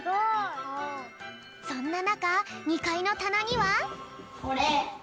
そんななか２かいのたなには。